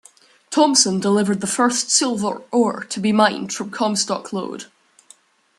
Thompson delivered the first silver ore to be mined from the Comstock Lode.